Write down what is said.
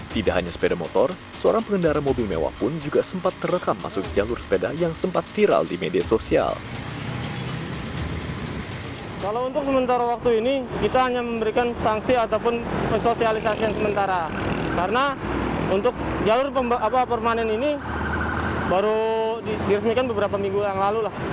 tidak hanya sepeda motor seorang pengendara mobil mewah pun juga sempat terekam masuk jalur sepeda yang sempat tiral di media sosial